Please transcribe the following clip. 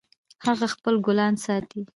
هغه خپل ګلان ساتي